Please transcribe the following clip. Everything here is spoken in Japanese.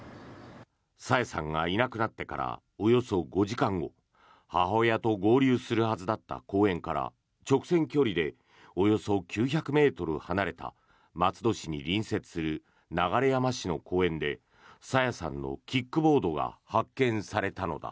朝芽さんがいなくなってからおよそ５時間後母親と合流するはずだった公園から直線距離でおよそ９００ｍ離れた松戸市に隣接する流山市の公園で朝芽さんのキックボードが発見されたのだ。